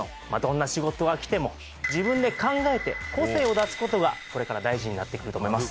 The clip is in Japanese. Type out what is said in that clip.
自分で考えて個性を出す事がこれから大事になってくると思います。